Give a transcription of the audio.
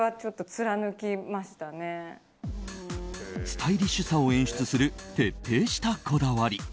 スタイリッシュさを演出する徹底したこだわり。